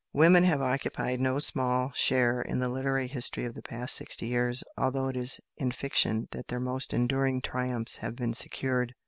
Women have occupied no small share in the literary history of the past sixty years, although it is in fiction that their most enduring triumphs have been secured.